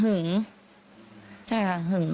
หึงใช่ค่ะหึง